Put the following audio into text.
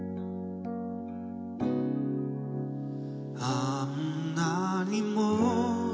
「あんなにも」